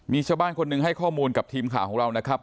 มีชาวบ้านคนหนึ่งให้ข้อมูลกับทีมข่าวของเรานะครับ